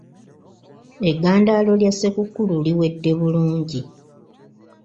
Eggandaalo lya Ssekukkulu liwedde bulungi.